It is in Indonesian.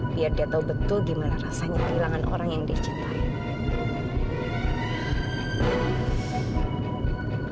biar dia tahu betul gimana rasanya kehilangan orang yang dia cintai